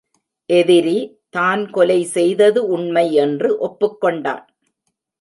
எதிரி தான் கொலை செய்தது உண்மை என்று ஒப்புக் கொண்டான்.